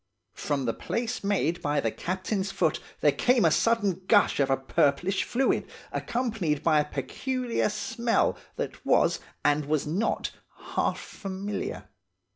From the place made by the captain's foot there came a sudden gush of a purplish fluid, accompanied by a peculiar smell, that was, and was not, half familiar.